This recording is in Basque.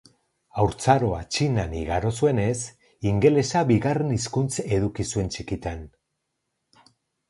Haurtzaroa Txinan igaro zuenez, ingelesa bigarren hizkuntz eduki zuen txikitan.